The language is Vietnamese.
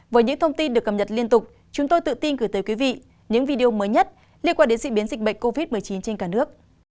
với những thông tin được cập nhật liên tục chúng tôi tự tin gửi tới quý vị những video mới nhất liên quan đến diễn biến dịch bệnh covid một mươi chín trên cả nước